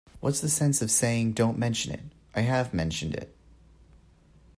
What's the sense of saying, 'Don't mention it'? I have mentioned it.